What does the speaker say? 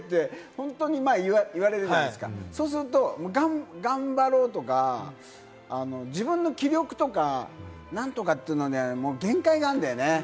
本当に言われるじゃないですか、そうすると、頑張ろうとか、自分の気力とか、なんとかというのを限界があるんだよね。